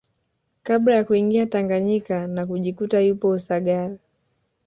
Kabla ya kuingia Tanganyika na kujikuta yupo Usagara